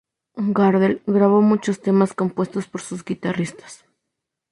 Gardel grabó muchos temas compuestos por sus guitarristas.